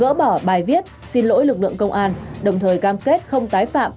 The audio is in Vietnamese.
gỡ bỏ bài viết xin lỗi lực lượng công an đồng thời cam kết không tái phạm